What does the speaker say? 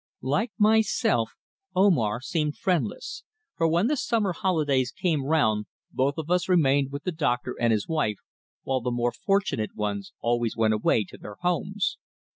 Like myself, Omar seemed friendless, for when the summer holidays came round both of us remained with the Doctor and his wife, while the more fortunate ones always went away to their homes.